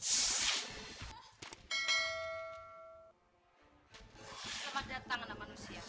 selamat datang anak manusia